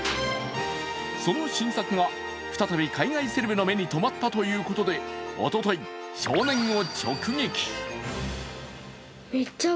その新作が、再び海外セレブの目に留まったということでおととい、少年を直撃。